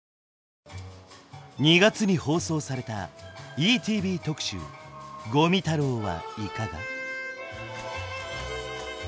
２月に放送されたＥＴＶ特集「五味太郎はいかが？」。